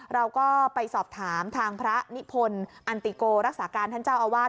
เราก็ไปสอบถามทางพระนิพนธ์อันติโกรักษาการท่านเจ้าอาวาส